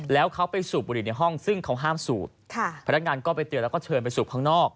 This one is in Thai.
แล้วเขาไปสูบบุหรี่ในห้องซึ่งเขาห้ามสูบพนักงานก็ไปเตือนแล้วก็เชิญไปสูบข้างนอก